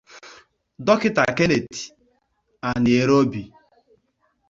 Dọkịta Kenneth Anierobi